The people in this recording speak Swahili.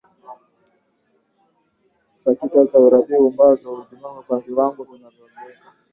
sakiti za uridhikaji ubongo hujizoesha kwa viwango vinavyoongezeka